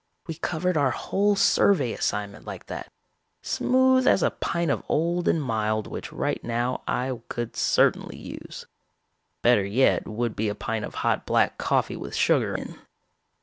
We covered our whole survey assignment like that, smooth as a pint of old and mild which right now I could certainly use. Better yet would be a pint of hot black coffee with sugar in.